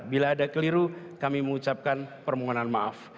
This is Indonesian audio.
bila ada keliru kami mengucapkan permohonan maaf